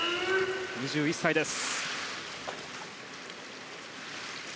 ２１歳です。